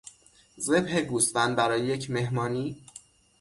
ذبح گوسفند برای یک مهمانی